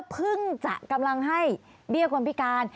เพิ่งจะกำลังให้เบี้ยคนพิการ